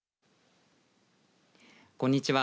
こんにちは。